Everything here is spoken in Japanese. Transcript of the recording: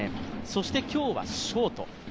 そして今日はショート。